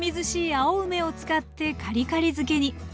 青梅を使ってカリカリ漬けに。